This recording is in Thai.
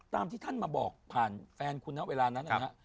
ที่ท่านมาบอกผ่านแฟนคุณนะเวลานั้นนะฮะ